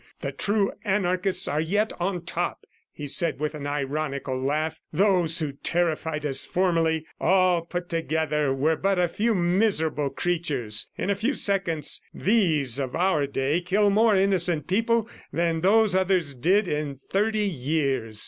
"The true anarchists are yet on top," he said with an ironical laugh. "Those who terrified us formerly, all put together, were but a few miserable creatures. ... In a few seconds, these of our day kill more innocent people than those others did in thirty years."